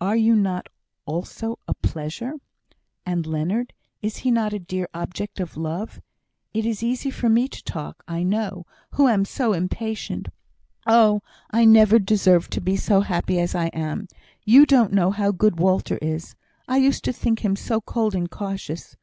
"Are you not also a pleasure? And Leonard, is he not a dear object of love? It is easy for me to talk, I know, who am so impatient. Oh, I never deserved to be so happy as I am! You don't know how good Walter is. I used to think him so cold and cautious.